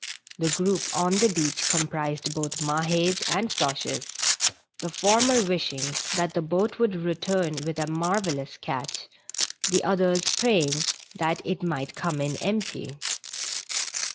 The group on the beach comprised both Mahds and Floches, the former wishing that the boat would return with a marvellous catch, the others praying that it might come in empty.